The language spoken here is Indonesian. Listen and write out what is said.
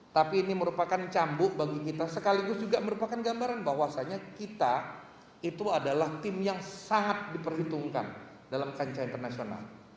tapi ini merupakan cambuk bagi kita sekaligus juga merupakan gambaran bahwasanya kita itu adalah tim yang sangat diperhitungkan dalam kancah internasional